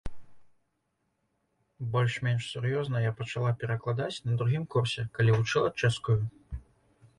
Больш-менш сур'ёзна я пачала перакладаць на другім курсе, калі вучыла чэшскую.